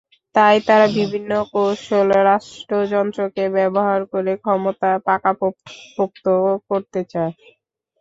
তাই তারা বিভিন্ন কৌশলে রাষ্ট্রযন্ত্রকে ব্যবহার করে ক্ষমতা পাকাপোক্ত করতে চায়।